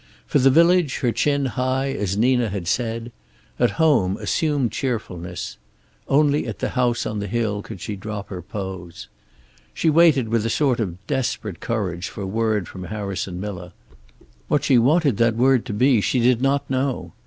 For the village, her chin high as Nina had said. At home, assumed cheerfulness. Only at the house on the hill could she drop her pose. She waited with a sort of desperate courage for word from Harrison Miller. What she wanted that word to be she did not know.